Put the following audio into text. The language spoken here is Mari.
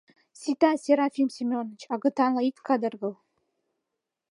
Сита, Серафим Семёныч, агытанла ит кадыргыл.